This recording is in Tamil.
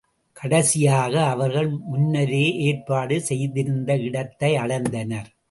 கடைசியாக அவர்கள், முன்னரே ஏற்பாடு செய்திருந்த இடத்தை அடைந்தனர்.